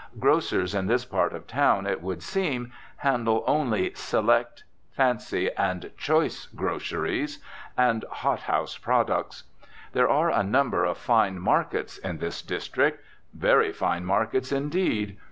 Grocers in this part of town, it would seem, handle only "select," "fancy," and "choice" groceries, and "hot house products." There are a number of fine "markets" in this district, very fine markets indeed.